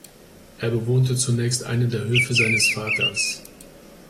Er bewohnte zunächst einen der Höfe seines Vaters.